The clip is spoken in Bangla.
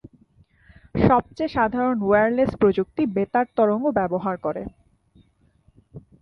সবচেয়ে সাধারণ ওয়্যারলেস প্রযুক্তি বেতার তরঙ্গ ব্যবহার করে।